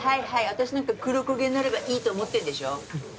私なんか黒焦げになればいいと思ってるんでしょ。